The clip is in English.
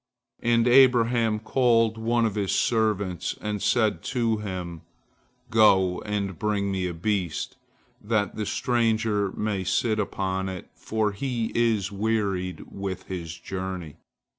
And Abraham called one of his servants, and said to him: "Go and bring me a beast, that the stranger may sit upon it, for he is wearied with his journey."